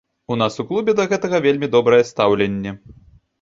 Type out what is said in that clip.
У нас у клубе да гэтага вельмі добрае стаўленне.